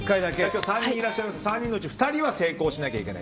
３人いらっしゃるので３人のうち１人は成功しないといけない。